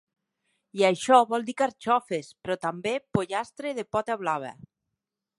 I això vol dir carxofes, però també, pollastre de pota blava.